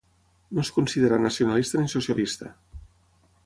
No es considerà nacionalista ni socialista.